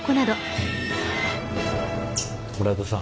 村田さん。